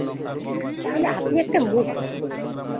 তাহলে আপনি একটা মূর্খ!